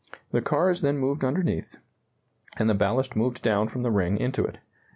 The car is then moved underneath, and the ballast moved down from the ring into it.